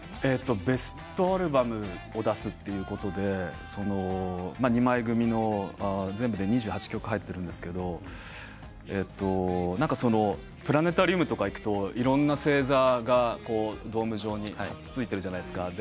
ベストアルバムを出すということで２枚組の全部で２８曲入っているんですけれどプラネタリウムとか行くといろいろな星座がドーム状についているじゃないですか。